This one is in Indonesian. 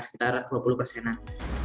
sekitar dua puluh persenan